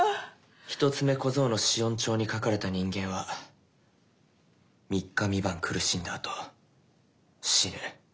一つ目小僧の死怨帳に書かれた人間は三日三晩苦しんだあと死ぬ。